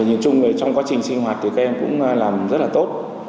nhìn chung trong quá trình sinh hoạt thì các em cũng làm rất là tốt